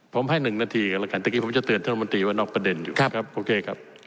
ผมให้๑นาทีกันแล้วกันเมื่อกี้ผมจะเตือนท่านรัฐมนตรีว่านอกประเด็นอยู่ครับโอเคครับ